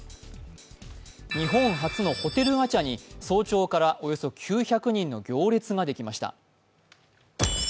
日本初のホテルガチャに早朝からおよそ９００人の行列ができました。